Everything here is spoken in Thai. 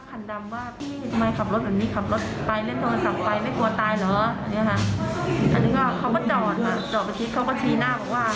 อันนี้ก็เขาก็จอดมาจอดไปทีเขาก็ชี้หน้าบอกว่า